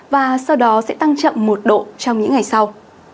và sau đó sẽ tăng chậm một độ trong những ngày sau